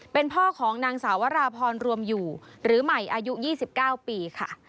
เป็นพ่อของนางสาวราพรรวมอยู่หรือใหม่อายุ๒๙ปีค่ะ